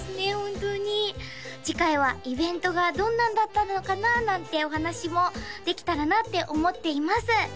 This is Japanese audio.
本当に次回はイベントがどんなんだったのかななんてお話もできたらなって思っています